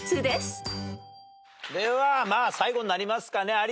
ではまあ最後になりますかね？